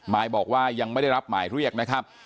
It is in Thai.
มายบอกว่ายังไม่ได้รับหมายเรียกนะครับ